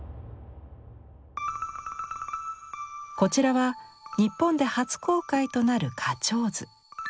こちらは日本で初公開となる花鳥図。